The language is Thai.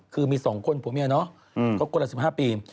คือมี๒คนผัวเมียเนาะก็คนละ๑๕ปี